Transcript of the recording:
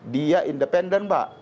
dia independen pak